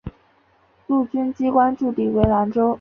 陆军机关驻地为兰州。